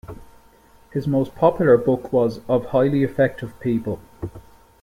His most popular book was "of Highly Effective People".